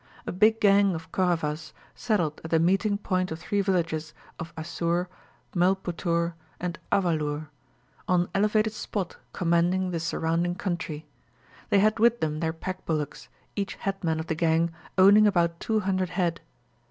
A big gang of Koravas settled at the meeting point of three villages of Asur, Melputtur, and Avalur, on an elevated spot commanding the surrounding country. They had with them their pack bullocks, each headman of the gang owning about two hundred head.